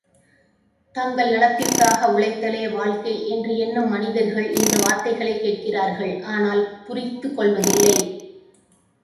தங்கள் நலத்திற்காக உழைத்தலே வாழ்க்கை என்று எண்ணும் மனிதர்கள் இந்த வார்த்தைகளைக் கேட்கிறார்கள் ஆனால் புரித்து கொள்வதில்லை!